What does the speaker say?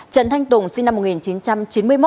trần thanh tùng sinh năm một nghìn chín trăm chín mươi một